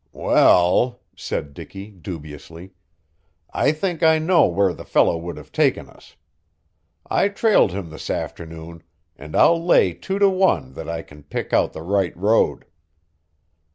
"Well," said Dicky dubiously, "I think I know where the fellow would have taken us. I trailed him this afternoon, and I'll lay two to one that I can pick out the right road."